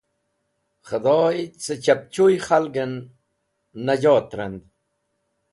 Khedhoy cẽ chaptul khalgẽn nẽjot rand